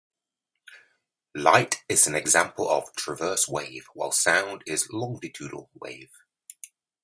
Light is an example of a transverse wave, while sound is a longitudinal wave.